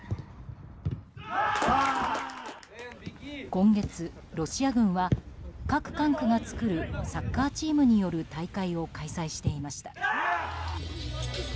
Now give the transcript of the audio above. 今月、ロシア軍は各管区が作るサッカーチームによる大会を開催していました。